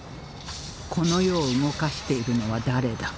この世を動かしているのは誰だ？